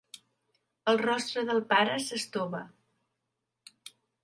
El rostre del pare s'estova.